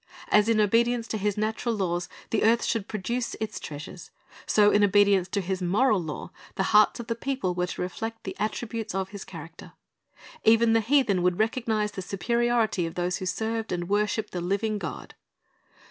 As in obedience to His natural laws the earth should 'produce its treasures, so in obedience to His moral law the hearts of the people were to reflect the attributes of His character. Even the heathen would recognize the superiority of those who served and worshiped the living God.